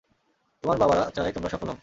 তোমার বাবারা চায় তোমরা সফল হও।